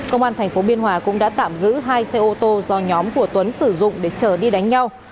công an tp biên hòa cũng đã tạm giữ hai xe ô tô do nhóm của tuấn sử dụng để chở đi đánh nhau